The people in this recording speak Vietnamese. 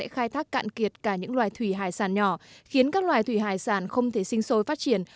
các công cụ khai thác cạn kiệt cả những loài thủy hải sản nhỏ khiến các loài thủy hải sản không thể sinh sôi phát triển